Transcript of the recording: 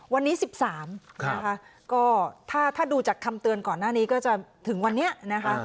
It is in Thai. วันนี้๑๓นะคะก็ถ้าดูจากคำเตือนก่อนหน้านี้ก็จะถึงวันนี้นะคะ